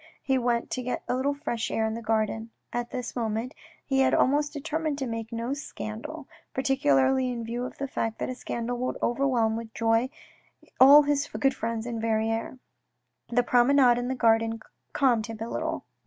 He went to get a little fresh air in the garden. At this moment he had almost determined to make no scandal, particularly in view of the fact that a scandal would overwhelm with joy all his good friends in Verrieres. The promenade in the garden calmed him a little.